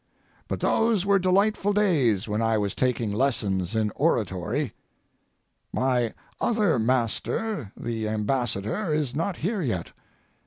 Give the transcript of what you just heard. But those were delightful days when I was taking lessons in oratory. My other master the Ambassador is not here yet.